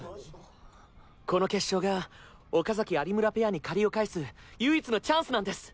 この決勝が岡崎・有村ペアに借りを返す唯一のチャンスなんです！